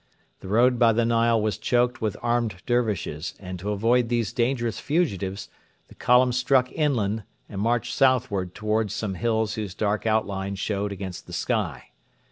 The road by the Nile was choked with armed Dervishes, and to avoid these dangerous fugitives the column struck inland and marched southward towards some hills whose dark outline showed against the sky.